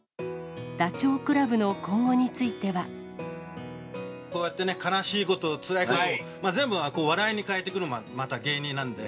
ダチョウ倶楽部の今後についこうやってね、悲しいこと、つらいこと、全部、笑いに変えていくのもまた芸人なんで。